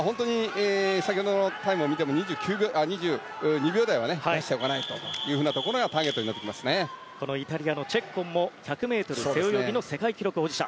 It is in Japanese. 先ほどのタイムを見ても２２秒台は出しておかないとというところがイタリアのチェッコンも１００ｍ背泳ぎの世界記録保持者。